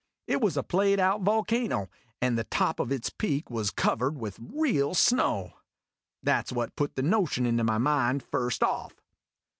It was a played out volcano, and the top of its peak was covered with real snow. That 's what put the notion into my mind first off.